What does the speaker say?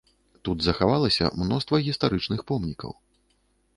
Тут захавалася мноства гістарычных помнікаў.